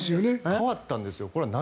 変わったんですよ。